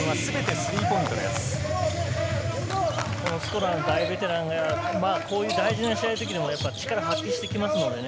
スコーラ、大ベテランがこういう大事な試合の時にも力を発揮してきますのでね。